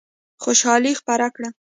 خوشالي خپره کړه.